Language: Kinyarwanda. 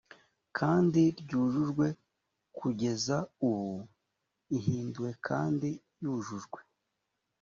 kandi ryujujwe kugeza ubu ihinduwe kandi yujujwe